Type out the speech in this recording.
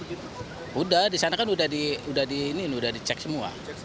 sudah di sana kan sudah dicek semua